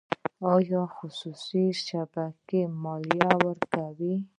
آیا خصوصي شبکې مالیه ورکوي؟